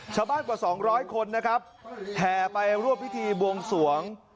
ชาวบ้านกว่า๒๐๐คนนะครับแห่ไปรวบพิธีบวงสวง